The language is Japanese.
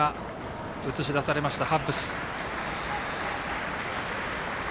映し出されました、ハッブス。